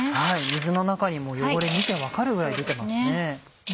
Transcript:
水の中にも汚れ見て分かるぐらい出てますね。